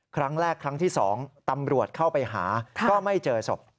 ครั้งที่๒ตำรวจเข้าไปหาก็ไม่เจอศพ